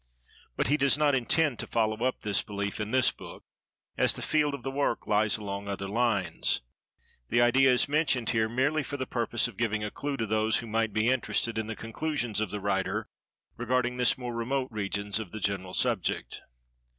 But he does not intend to follow up this belief, in this book, as the field of the work lies along other lines. The idea is mentioned here, merely for the purpose of giving a clew to those who might be interested in the conclusions of the writer, regarding this more remote regions of the general subject.